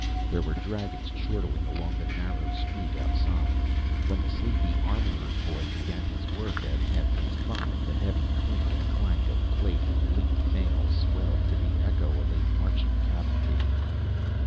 There were dragons chortling along the narrow street outside; when the sleepy armorer's boy began his work at half past five the heavy clink and clank of plate and linked mail swelled to the echo of a marching cavalcade.